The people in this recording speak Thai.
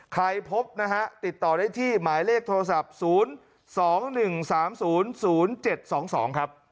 พบนะฮะติดต่อได้ที่หมายเลขโทรศัพท์๐๒๑๓๐๐๗๒๒ครับ